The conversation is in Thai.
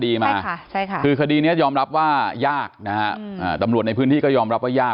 วิเคราะห์คดีมาคือคดีนี้ยอมรับว่ายากดำรวจในพื้นที่ก็ยอมรับว่ายาก